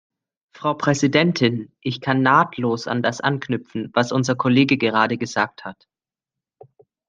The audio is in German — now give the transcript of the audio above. Frau Präsidentin! Ich kann nahtlos an das anknüpfen, was unser Kollege gerade gesagt hat.